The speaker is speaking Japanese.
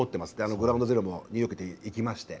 グラウンド・ゼロニューヨークにも行きまして。